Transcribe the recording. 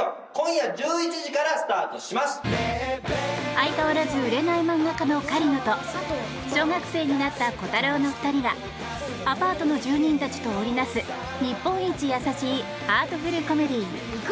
相変わらず売れない漫画家の狩野と小学生になったコタローの２人がアパートの住人たちと織りなす日本一優しいハートフルコメディー。